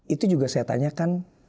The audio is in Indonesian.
itu juga saya tanyakan